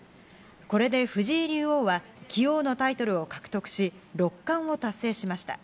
これで藤井竜王は棋王のタイトルを獲得し、六冠を達成しました。